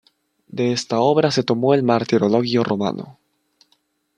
De esta obra se tomó el martirologio romano.